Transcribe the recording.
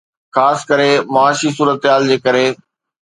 خاص ڪري معاشي صورتحال جي ڪري.